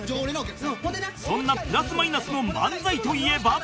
そんなプラス・マイナスの漫才といえば